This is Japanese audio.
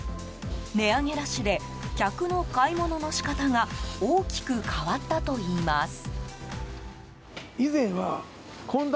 値上げラッシュで客の買い物の仕方が大きく変わったといいます。